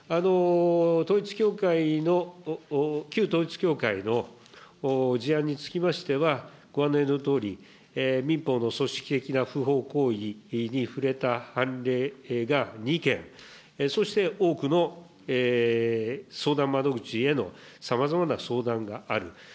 統一教会の、旧統一教会の事案につきましては、ご案内のとおり、民法の組織的な不法行為に触れた判例が２件、そして多くの相談窓口へのさまざまな相談がある。